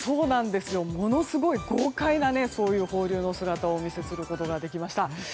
ものすごい豪快な放流の姿をお見せすることができました。